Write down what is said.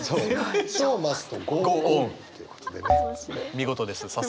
見事です。